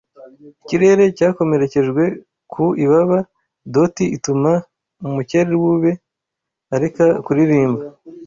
Ikirere cyakomerekejwe ku ibaba Doti ituma umukerubi areka kuririmba